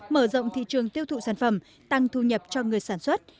mở rộng thị trường tiêu thụ sản phẩm tăng thu nhập cho người sản xuất